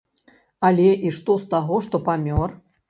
Але і што з таго, што памёр!